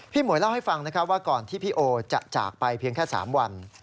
หมวยเล่าให้ฟังนะครับว่าก่อนที่พี่โอจะจากไปเพียงแค่๓วัน